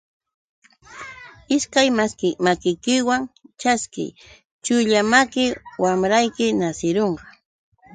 Ishkay makikiwan ćhaskiy, chulla maki wamrayki nasirunqa.